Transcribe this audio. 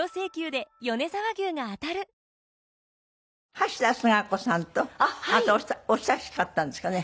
橋田壽賀子さんとあなたお親しかったんですかね。